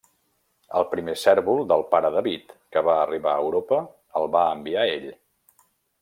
El primer cérvol del Pare David que va arribar a Europa el va enviar ell.